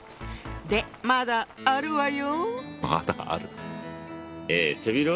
でまだあるわよ。